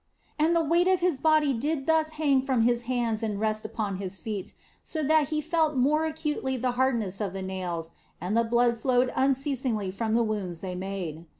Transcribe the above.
And the weight of His body did thus hang from His hands and rest upon His feet, so that He felt more acutely the hardness of the nails, and the blood flowed unceasingly from the wounds they made.